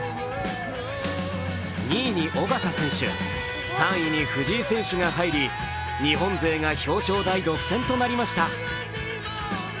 ２位に緒方選手、３位に藤井選手が入り日本勢が表彰台独占となりました。